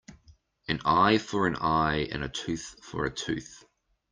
An eye for an eye and a tooth for a tooth.